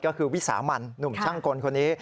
ก็คือวิสามันหนุ่มช่างกลคนนี้